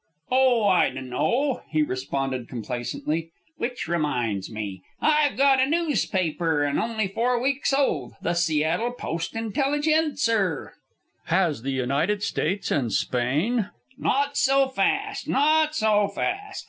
"Oh, I dunno," he responded, complacently. "Which reminds me. I've got a noospaper, an' only four weeks' old, the Seattle Post Intelligencer." "Has the United States and Spain " "Not so fast, not so fast!"